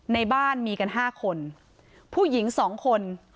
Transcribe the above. ในบ้านมีกันห้าคนผู้หญิงสองคน